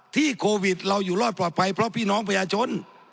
โควิดเราอยู่รอดปลอดภัยเพราะพี่น้องประชาชน